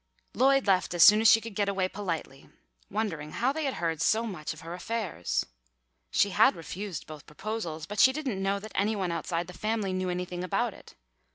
Lloyd left as soon as she could get away politely, wondering how they had heard so much of her affairs. She had refused both proposals, but she didn't know that any one outside the family knew anything about it.